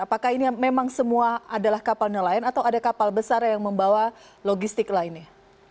apakah ini memang semua adalah kapal nelayan atau ada kapal besar yang membawa logistik lainnya